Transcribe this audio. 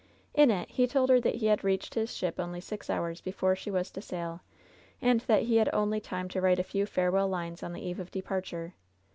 In it he told her that he had reached his ship only six hours before she was to sail, and that he had only time to write a few farewell lines on the eve of departure.